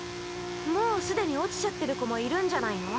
もうすでに落ちちゃってる子もいるんじゃないの？